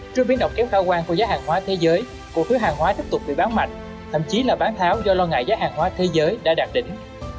trước biến động kéo khả quan của giá hàng hóa thế giới cổ phiếu hàng hóa tiếp tục bị bán mạnh thậm chí là bán tháo do lo ngại giá hàng hóa thế giới đã đạt đỉnh